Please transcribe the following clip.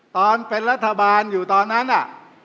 ตอนเป็นรัฐบาลอยู่ตอนนั้นน่ะ